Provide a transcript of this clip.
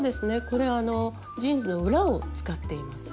これジーンズの裏を使っています。